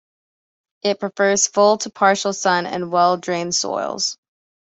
It prefers full to partial sun and well drained soils.